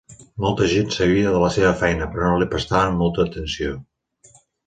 Molta gent sabia de la seva feina però no li prestaven molta atenció.